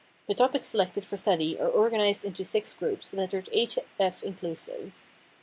The topics selected for study are organized into six groups, lettered A to F inclusive.